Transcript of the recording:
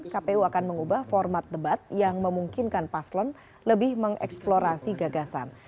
kpu akan mengubah format debat yang memungkinkan paslon lebih mengeksplorasi gagasan